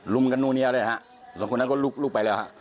ลุ้มกันโน้นเนี่ยสองคนนั้นก็ลุกไปแล้ว